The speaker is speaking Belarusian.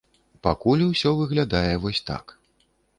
Пакуль усё выглядае вось так.